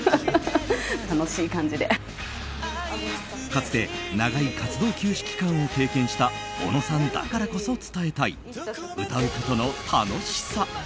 かつて長い活動休止期間を経験したおのさんだからこそ伝えたい歌うことの楽しさ。